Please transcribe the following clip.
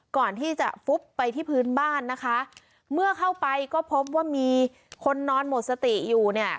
ก่อนที่จะฟุบไปที่พื้นบ้านนะคะเมื่อเข้าไปก็พบว่ามีคนนอนหมดสติอยู่เนี่ย